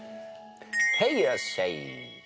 へいいらっしゃい！